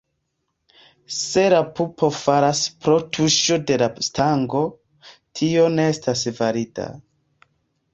Se la pupo falas pro tuŝo de la stango, tio ne estas valida.